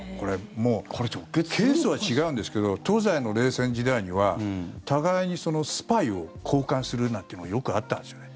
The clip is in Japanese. これ、ケースは違うんですけど東西の冷戦時代には互いにスパイを交換するなんてのはよくあったんですね。